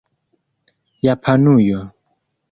japanujo